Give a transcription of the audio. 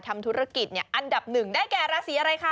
ทำธุรกิจอันดับหนึ่งได้แก่ราศีอะไรคะ